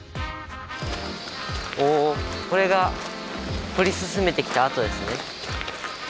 おこれが掘り進めてきた跡ですね。